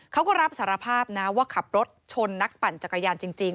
เขาก็รับสารภาพนะว่าขับรถชนนักปั่นจักรยานจริง